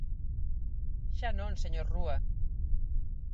Xa non, señor Rúa.